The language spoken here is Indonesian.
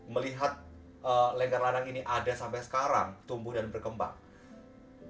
melihat lengger lanang ini ada sampai sekarang tumbuh dan berkembang